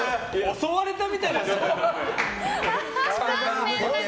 襲われたみたい。